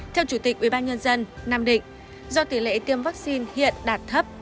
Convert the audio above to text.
theo chủ tịch ubnd nam định do tỷ lệ tiêm vaccine hiện đạt thấp